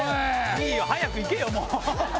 いいよ早く行けよもう！